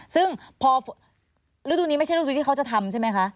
ซึ่งพอฤดูนี้ไม่ใช่ฤดูที่เขาจะทำใช่ไหมคะ